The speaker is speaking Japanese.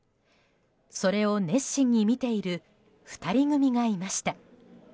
それを、熱心に見ている２人組がいました。